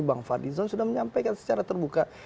bang fadlizon sudah menyampaikan secara terbuka